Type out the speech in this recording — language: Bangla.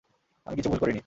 আমি কিছু ভুল করিনি।